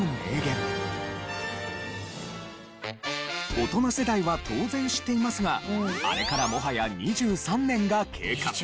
大人世代は当然知っていますがあれからもはや２３年が経過。